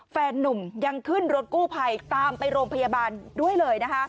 นุ่มยังขึ้นรถกู้ภัยตามไปโรงพยาบาลด้วยเลยนะคะ